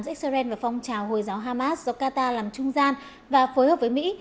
giữa israel và phong trào hồi giáo hamas do qatar làm trung gian và phối hợp với mỹ